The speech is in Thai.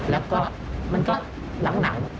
แล้วก็มันก็หลังหนัง